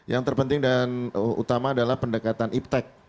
yang terpenting dan utama adalah pendekatan iptec